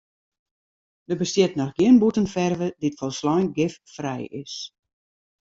Der bestiet noch gjin bûtenferve dy't folslein giffrij is.